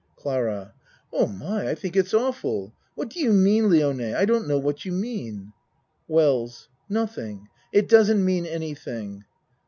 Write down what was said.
CLARA Oh my! I think it's awful. What do you mean, Lione? I don't know what you mean. WELLS Nothing. It doesn't mean anything.